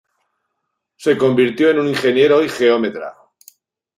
Se convirtió en un ingeniero y geómetra.